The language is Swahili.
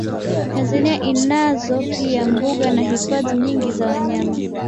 Tanzania inazo pia mbuga na hifadhi nyingi za wanyama